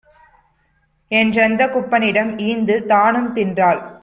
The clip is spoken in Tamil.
என்றந்தக் குப்பனிடம் ஈந்துதா னும்தின்றாள்.